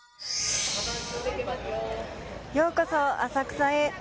ようこそ、浅草へ。